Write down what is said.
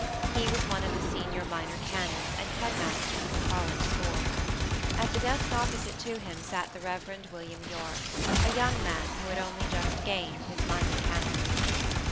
He was one of the senior minor canons, and head master of the college school. At the desk opposite to him sat the Rev. William Yorke, a young man who had only just gained his minor canonry.